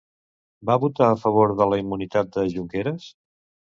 Va votar a favor de la immunitat de Junqueras?